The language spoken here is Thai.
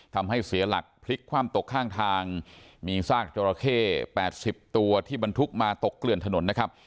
ทำให้เสียหลักพลิกคว่ำตกข้างทางมีซากจราเข้๘๐ตัวที่บรรทุกมาตกเกลื่อนถนนนะครับ